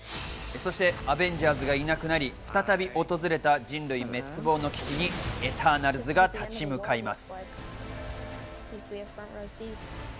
そして、アベンジャーズがいなくなり、再び訪れた人類滅亡の危機にエターナルズが立ち向かいます。